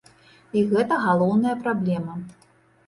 І гэта галоўная праблема.